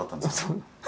そう。